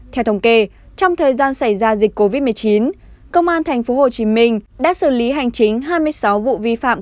theo thống kê trong thời gian xảy ra dịch covid một mươi chín công an tp hcm đã xử lý hành chính hai mươi sáu vụ vi phạm